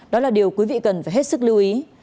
đó là điều quý vị cần phải hết sức lưu ý